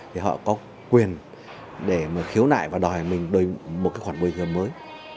vì họ có quyền để khiếu nại và đòi mình đổi một khoản bồi thường mới